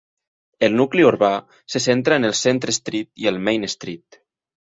El nucli urbà se centra en el Centre Street i el Main Street.